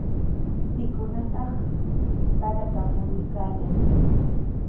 ¿Pikunataq sarata muruykaayan?